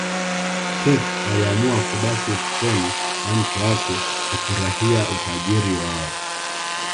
pep aliamua kubaki ufukweni na mke wake kufurahia utajiri wao